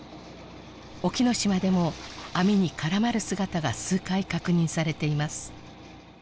隠岐の島でも網に絡まる姿が数回確認されています